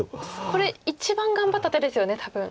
これ一番頑張った手ですよね多分。